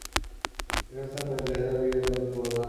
এসব স্থানে প্রায় দুই হাজার বিঘা জমিতে বোরো চাষ করা হয়েছে।